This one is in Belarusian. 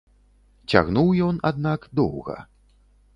Цягнуў ён, аднак, доўга.